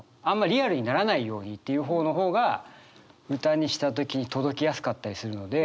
リアルにならないようにっていう方の方が歌にした時に届きやすかったりするので。